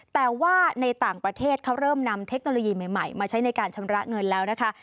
แต่ว่าในต่างประเทศเขาเริ่มนำเทคโนโลยีใหม่มาใช้ในการชำระเงินแล้วนะคะ